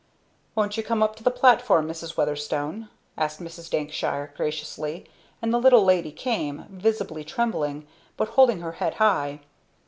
"Won't you come to the platform, Mrs. Weatherstone?" asked Mrs. Dankshire graciously, and the little lady came, visibly trembling, but holding her head high.